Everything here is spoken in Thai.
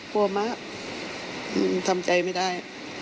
กลัวมากทำใจไม่ได้